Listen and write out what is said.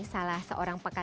salah seorang pakar